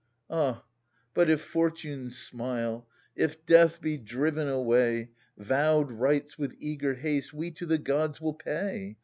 f*fo Ah, but if fortune smile, if death be driven away. Vowed rites, with eager haste, we to the gods will pay